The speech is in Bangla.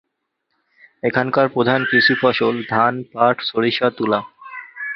এখানকার প্রধান কৃষি ফসল ধান, পাট, সরিষা, তুলা।